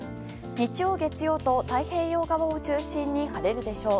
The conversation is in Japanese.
日曜、月曜と太平洋側を中心に晴れるでしょう。